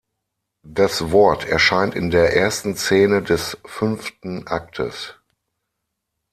Das Wort erscheint in der ersten Szene des fünften Aktes.